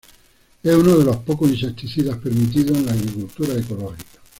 Es uno de los pocos insecticidas permitidos en la agricultura ecológica.